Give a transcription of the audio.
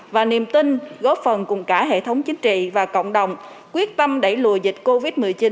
và niềm tin góp phần cùng cả hệ thống chính trị và cộng đồng quyết tâm đẩy lùi dịch covid một mươi chín